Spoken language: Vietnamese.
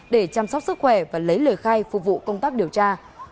để chăm sóc sức khỏe và lấy lời khai phục vụ công tác điều tra